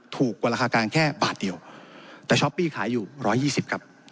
ถูกกว่าราคากลางแค่บาทเดียวแต่ช้อปปี้ขายอยู่๑๒๐ครับ